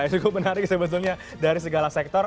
yang cukup menarik sebenarnya dari segala sektor